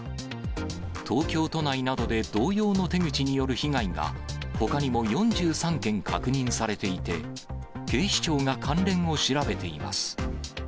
東京都内などで同様の手口による被害がほかにも４３件確認されていて、警視庁が関連を調べています。